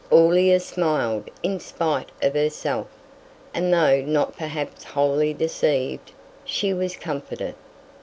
'" Aurelia smiled in spite of herself, and though not perhaps wholly deceived, she was comforted.